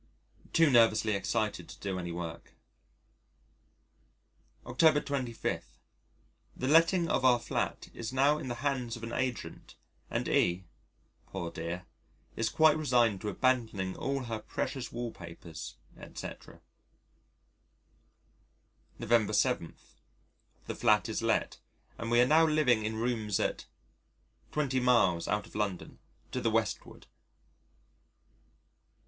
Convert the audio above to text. Too nervously excited to do any work. October 25. The letting of our flat is now in the hands of an agent, and E , poor dear, is quite resigned to abandoning all her precious wallpapers, etc. November 7. The flat is let and we are now living in rooms at , 20 miles out of London, to the Westward.